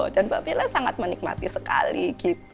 dan mbak bella sangat menikmati sekali gitu